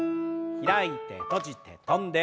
開いて閉じて跳んで。